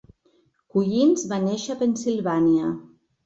Collins va néixer a Pennsilvània.